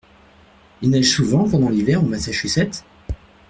Il neige souvent pendant l’hiver au Massachusetts ?